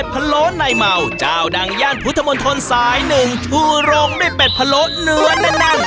ก็แน่เมาเจ้าดังย่านพุธมนตร์ทนสายหนึ่งทูลงด้วยเป็ดพะโลเนื้อแนะนั่ง